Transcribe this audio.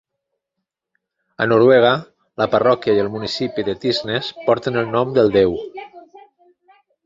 A Noruega, la parròquia i el municipi de Tysnes porten el nom del déu.